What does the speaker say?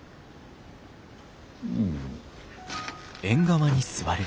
うん。